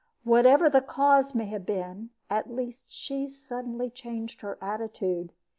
Whatever the cause may have been, at least she suddenly changed her attitude.